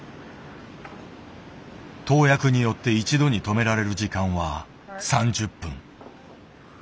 投薬によって一度に止められる時間は３０分。